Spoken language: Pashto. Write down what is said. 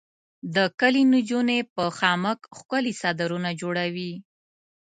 د کلي انجونې په خامک ښکلي څادرونه جوړوي.